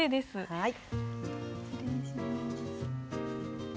はい。